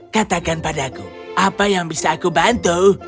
katakan padaku apa yang bisa aku bantu